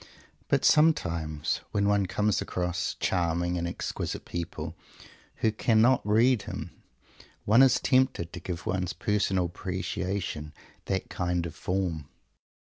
But sometimes, when one comes across charming and exquisite people who "cannot read him," one is tempted to give one's personal appreciation that kind of form.